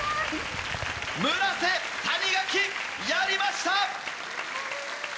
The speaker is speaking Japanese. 村瀬谷垣やりました！